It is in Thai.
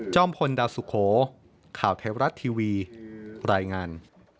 พลดาวสุโขข่าวไทยรัฐทีวีรายงาน